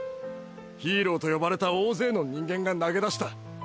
ヒーローと呼ばれた大勢の人間が投げ出した。